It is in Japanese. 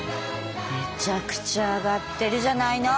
めちゃくちゃ上がってるじゃないの！